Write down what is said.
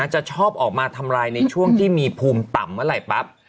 จะชอบออกมาทำลายในช่วงที่มีภูมิต่ำเมื่อไหร่ปั๊บ